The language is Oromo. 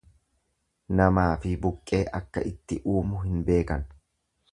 Namaafi buqqee akka itti uumu hin beekan.